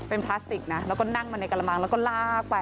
เป็นพลาสติกนะแล้วก็นั่งมาในกระมังแล้วก็ลากไป